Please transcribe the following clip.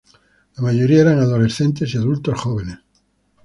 La mayoría eran adolescentes y adultos jóvenes.